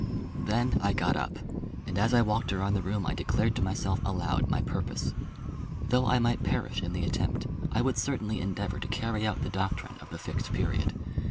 Then I got up, and as I walked about the room I declared to myself aloud my purpose. Though I might perish in the attempt, I would certainly endeavour to carry out the doctrine of the Fixed Period.